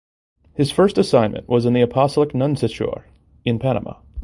His first assignment was in the Apostolic Nunciature in Panama.